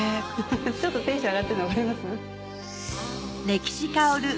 ちょっとテンション上がってるの分かります？